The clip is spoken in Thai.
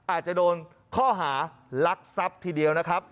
อาจจะโดนข้อหารักทรัพย์ทีเดียวนะครับ